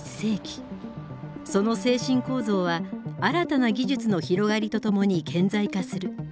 その精神構造は新たな技術の広がりとともに顕在化する。